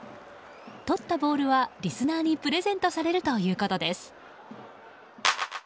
とったボールは、リスナーにプレゼントされるということです。